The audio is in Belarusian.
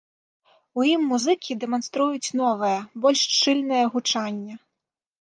У ім музыкі дэманструюць новае, больш шчыльнае гучанне.